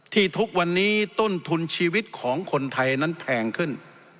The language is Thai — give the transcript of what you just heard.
ทุกวันนี้ต้นทุนชีวิตของคนไทยนั้นแพงขึ้น